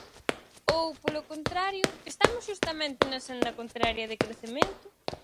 ¿Ou, polo contrario, estamos xustamente na senda contraria de crecemento?